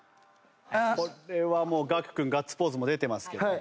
これはもう楽君ガッツポーズも出てますけど。